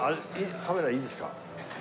カメラいいですか？